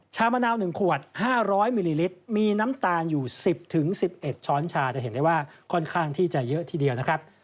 มะนาว๑ขวด๕๐๐มิลลิลิตรมีน้ำตาลอยู่๑๐๑๑ช้อนชาจะเห็นได้ว่าค่อนข้างที่จะเยอะทีเดียวนะครับ